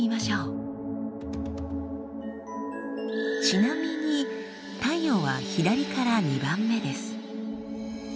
ちなみに太陽は左から２番目です。